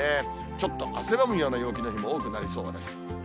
ちょっと汗ばむような陽気の日も多くなりそうです。